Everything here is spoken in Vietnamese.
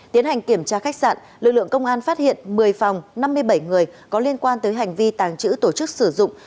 tiến hành kiểm tra khách sạn lực lượng công an phát hiện một mươi phòng năm mươi bảy người có liên quan tới hành vi tàng trữ tổ chức sử dụng